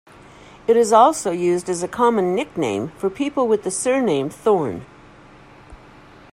It is also used as a common nickname for people with the surname Thorne.